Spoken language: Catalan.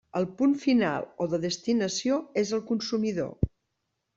El punt final o de destinació és el consumidor.